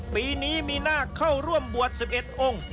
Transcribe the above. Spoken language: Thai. ปีนี้มีนาคเข้าร่วมบวช๑๑องค์